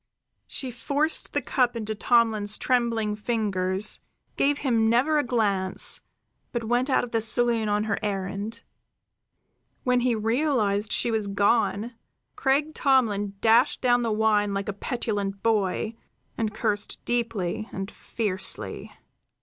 She forced the cup into Tomlin's trembling fingers, gave him never a glance, but went out of the saloon on her errand. When he realized she was gone, Craik Tomlin dashed down the wine like a petulant boy, and cursed deeply and fiercely.